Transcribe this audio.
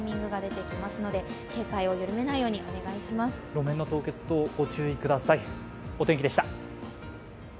路面の凍結等、ご注意ください。